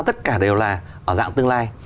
tất cả đều là ở dạng tương lai